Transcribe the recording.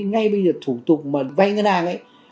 ngay bây giờ thủ tục mà vay ngân hàng ấy